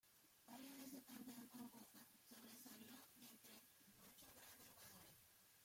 Varias veces campeón con Boca, sobresalió entre muchos grandes jugadores.